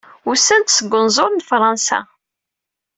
Usan-d seg unẓul n Fransa.